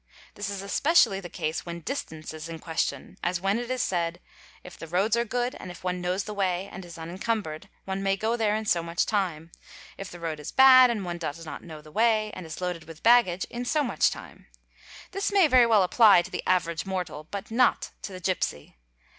This is especially the case when distance is in question, as when it is said :—" If the roads are good, and if one knows the way and is unencumbered, one may go there in so much time; if the road is bad "and one does not know the way, and is loaded with baggage, in so much time'; this may very well apply to the average mortal but not to the gipsy.